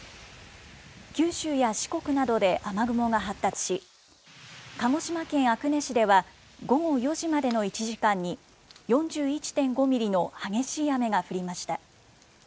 九州や四国などで雨雲が発達し、鹿児島県阿久根市では、午後４時までの１時間に、４１．５ミリの激しい雨が降りました。